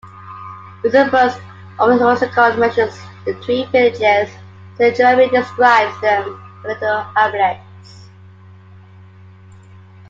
Eusebius' "Onomasticon" mentions the 'twin villages' and Saint Jerome describes them as 'little hamlets.